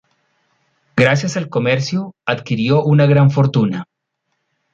Gracias al comercio, adquirió una gran fortuna.